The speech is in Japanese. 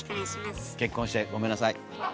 結婚してごめんなさい。